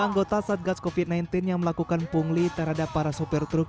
anggota satgas covid sembilan belas yang melakukan pungli terhadap para sopir truk